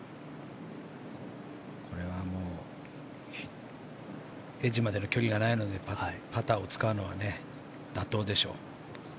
これはもうエッジまでの距離がないのでパターを使うのは妥当でしょう。